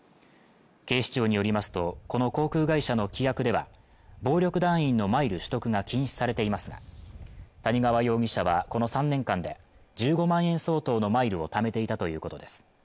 警視庁によりますとこの航空会社の規約では暴力団員のマイル取得が禁止されていますが谷川容疑者はこの３年間で１５万円相当のマイルをためていたということです